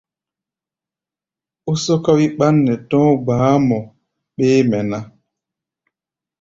Ó sɔ́ká wí ɓán nɛ tɔ̧́á̧ gba̧Ꞌá̧ mɔ béémɛ ná.